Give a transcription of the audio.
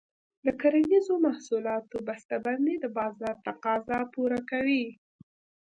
د کرنیزو محصولاتو بسته بندي د بازار تقاضا پوره کوي.